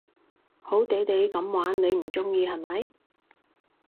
好地地噉玩你唔中意係咪？